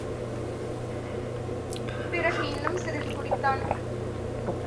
பிறகு இன்னும் சிறிது குடித்தான்.